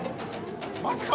マジか！